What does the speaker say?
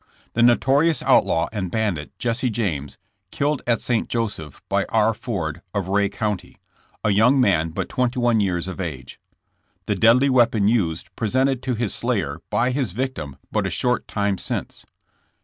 The Notorious Outlaw and Bandit, Jesse James, Elilled at St. Joseph by R. Ford, of Ray County, a Young Man But Twenty one Years of Age. —The Deadly Weapon Used Presented to His Slayer by His Victim But a Short Time Since.